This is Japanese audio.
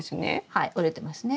はい折れてますね。